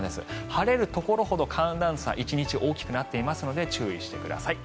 晴れるところほど寒暖差が大きくなっていますので注意してください。